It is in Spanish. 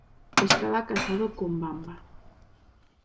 Estaba casado con Bamba.